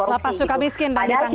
lapas suka biskin dan ditanggerang